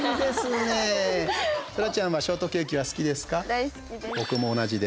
そらちゃんはショートケーキは好きですか？